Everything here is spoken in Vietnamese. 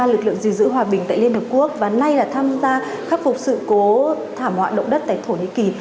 lực lượng gìn giữ hòa bình tại liên hợp quốc và nay là tham gia khắc phục sự cố thảm họa động đất tại thổ nhĩ kỳ